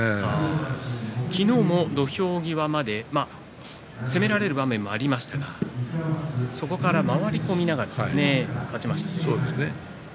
昨日も土俵際まで攻められる場面もありましたがそこから回り込みながら勝ちました。